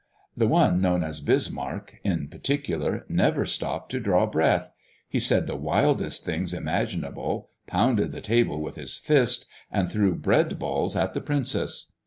The one known as Bismarck, in particular, never stopped to draw breath. He said the wildest things imaginable, pounded the table with his fist, and threw bread balls at the princess.